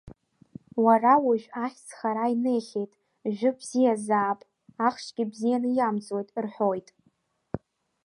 Уара ужә ахьӡ хара инеихьеит, жәы бзиазаап, ахшгьы бзианы иамҵуеит, — рҳәоит.